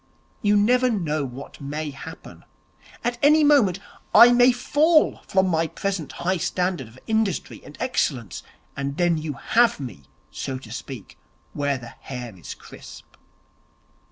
You never know what may happen. At any moment I may fall from my present high standard of industry and excellence; and then you have me, so to speak, where the hair is crisp.'